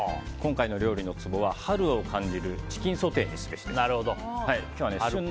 今回の料理のツボは、春を感じるチキンソテーにすべしです。